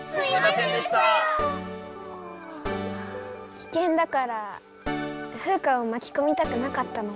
きけんだからフウカをまきこみたくなかったの。